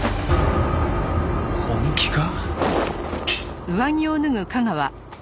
本気か？